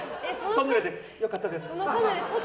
よかったです。